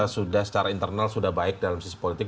sudah secara internal sudah baik dalam sisi politik